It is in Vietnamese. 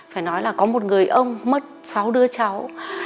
phải nói là có một người ông mất sáu đứa cháu